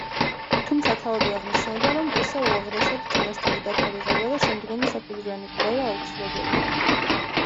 თუმცა თავადვე აღნიშნავდა, რომ ესა უაღრესად წინასწარი დათარიღება და შემდგომი საფუძვლიანი კვლევა აუცილებელია.